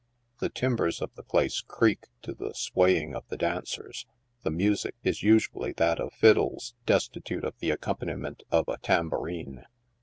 The timbers of the place creak to the swaying of the dancers. The mu sic is usually that of fiddles, destitute of the accompaniment of a tambourine.